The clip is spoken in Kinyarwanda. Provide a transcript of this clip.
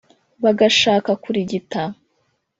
Bagashaka kurigita,